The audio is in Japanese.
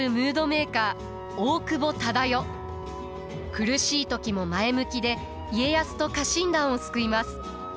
苦しい時も前向きで家康と家臣団を救います。